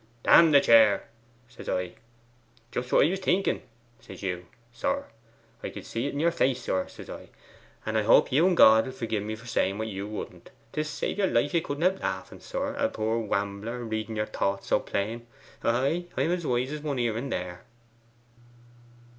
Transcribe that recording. "Damn the chair!" says I. "Just what I was thinking," says you, sir. "I could see it in your face, sir," says I, "and I hope you and God will forgi'e me for saying what you wouldn't." To save your life you couldn't help laughing, sir, at a poor wambler reading your thoughts so plain. Ay, I'm as wise as one here and there.